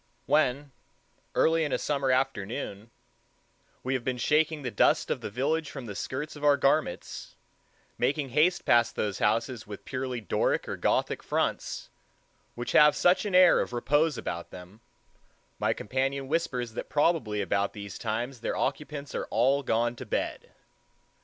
When, early in a summer afternoon, we have been shaking the dust of the village from the skirts of our garments, making haste past those houses with purely Doric or Gothic fronts, which have such an air of repose about them, my companion whispers that probably about these times their occupants are all gone to bed.